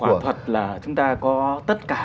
quả thuật là chúng ta có tất cả